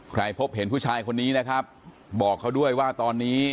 พบเห็นผู้ชายคนนี้นะครับบอกเขาด้วยว่าตอนนี้